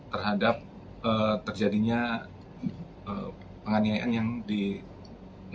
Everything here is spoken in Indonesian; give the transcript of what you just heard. terhadap terjadinya penganiayaan yang dilakukan